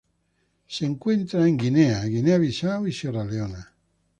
Se lo encuentra en Guinea, Guinea-Bisáu y Sierra Leona.